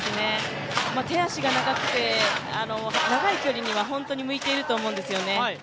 手足が長くて、長い距離には本当に向いていると思うんです。